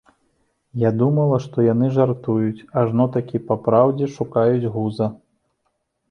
Я думала, што яны жартуюць, ажно такі папраўдзе шукаюць гуза.